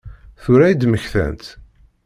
Tura i d-mmektant?